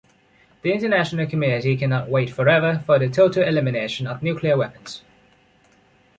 The international community cannot wait forever for the total elimination of nuclear weapons.